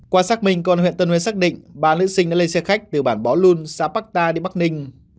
quan sát mình công an huyện tân nguyên xác định ba nữ sinh đã lên xe khách từ bản bó luân xã bắc ta đi bắc ninh